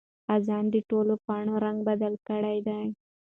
خزان د ټولو پاڼو رنګ بدل کړی دی.